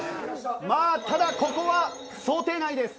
まあただここは想定内です。